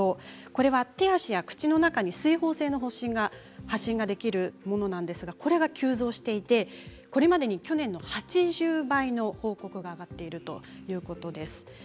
これは手足や口の中に水ほう性の発疹ができるものなんですがこれが急増していてこれまでに去年の８０倍の報告が上がっているということです。